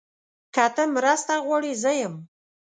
که ته مرسته غواړې، زه یم.